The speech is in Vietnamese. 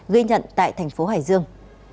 ghi nhận tại thành phố hải dương